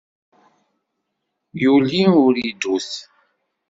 Yuli uridut.